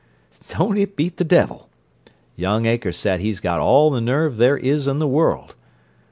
Don't it beat the devil! Young Akers said he's got all the nerve there is in the world.